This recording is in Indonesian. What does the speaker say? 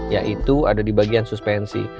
yaitu ada di bagian suspensi